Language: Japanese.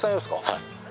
はい。